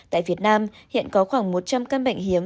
tại việt nam hiện có khoảng một trăm linh căn bệnh hiếm